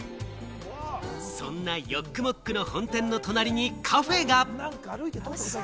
そんなヨックモックの本店の隣にカフェが！